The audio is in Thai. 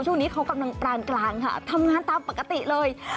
ช่วงนี้เขากำลังปรานกลางค่ะทำงานตามปกติเลย